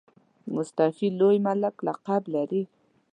مستوفي لوی ملک لقب لري.